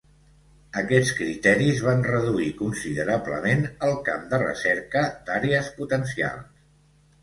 Aquests criteris van reduir considerablement el camp de recerca d'àrees potencials.